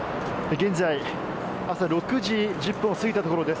現在、朝６時１０分を過ぎたところです。